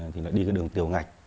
thì nó đi cái đường tiểu ngạch